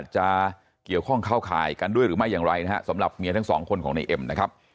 จะเกี่ยวข้องเข้าข่ายกันด้วยหรือไม่อย่างไรนะฮะสำหรับเมียทั้งสองคนของในเอ็มนะครับ